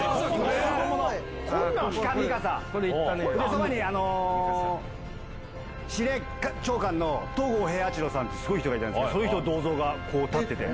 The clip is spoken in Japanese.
そばに司令長官の東郷平八郎さんってすごい人がいたんですけどその人の銅像が立ってて。